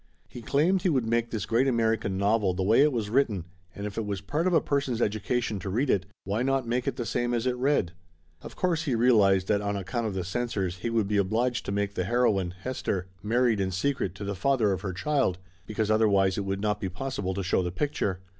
He claimed he would make this great American novel the way it was written, and if it was part of a person's education to read it, why not make it the same as it read? Of course he realized that on account of the censors he would be obliged to make the heroine, Hester, mar ried in secret to the father of her child, because other Laughter Limited 289 wise it would not be possible to show the picture.